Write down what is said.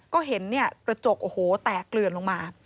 ก็เห็นกระจกโอ้โหแตกเกลือนลงมา